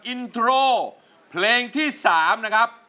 อินโทรเพลงที่๓นะครับ